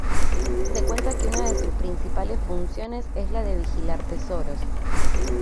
Se cuenta que una de sus principales funciones es la de vigilar tesoros.